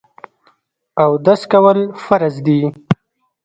اودس کول فرض دي.